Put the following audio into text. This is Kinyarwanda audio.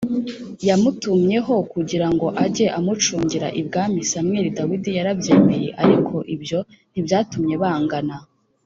Yamutumyeho kugira ngo ajye amucurangira ibwami samweli dawidi yarabyemeye ariko ibyo ntibyatumye bangana